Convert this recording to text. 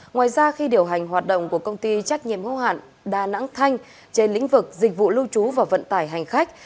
ngoài ra khi điều hành hoạt động của công ty trách nhiệm hô hạn đà nẵng thanh trên lĩnh vực dịch vụ lưu trú và vận tải hành khách